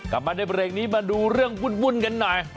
กลับมาในเบรกนี้มาดูเรื่องวุ่นกันหน่อย